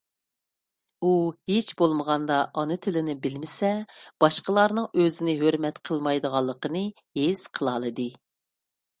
ئۇ ھېچ بولمىغاندا، ئانا تىلنى بىلمىسە باشقىلارنىڭ ئۆزىنى ھۆرمەت قىلمايدىغانلىقىنى ھېس قىلالىدى.